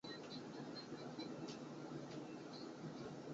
茅焦因此事被尊为上卿。